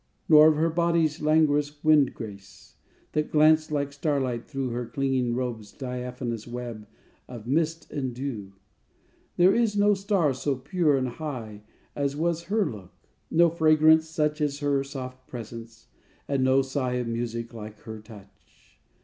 _ _Nor of her body's languorous Wind grace, that glanced like starlight through Her clinging robe's diaphanous Web of the mist and dew._ _There is no star so pure and high As was her look; no fragrance such As her soft presence; and no sigh Of music like her touch.